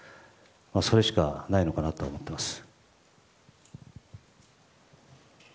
それしかないのかなと思っています。